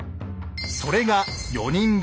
それが４人分。